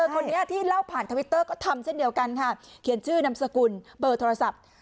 คนนี้ที่เล่าผ่านทวิตเตอร์เขียนชื่อนามสกุลเบอร์โทรศัพท์